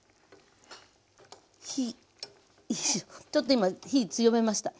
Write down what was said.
火ちょっと今火強めました。